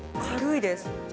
軽いです。